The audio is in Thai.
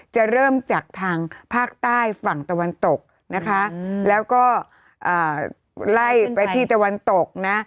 จะเริ่มจากทางภาคใต้ฝั่งตะวันตกนะคะแล้วก็ไล่ไปที่ตะวันตกนะ